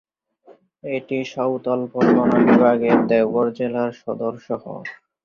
এটি সাঁওতাল পরগনা বিভাগ এর দেওঘর জেলার সদর শহর।